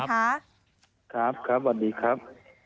ครับสวัสดีครับ